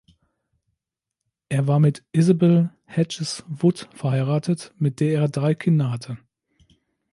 Er war mit Isabel Hedges Wood verheiratet, mit der er drei Kinder hatte.